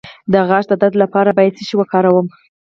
د غاښ د درد لپاره باید څه شی وکاروم؟